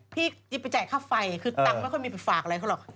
จะไปจ่ายค่าไฟคือตังค์ไม่ค่อยมีไปฝากอะไรเขาหรอก